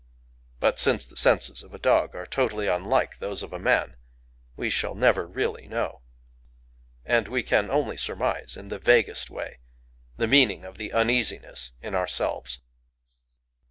But since the senses of a dog are totally unlike those of a man, we shall never really know. And we can only surmise, in the vaguest way, the meaning of the uneasiness in ourselves.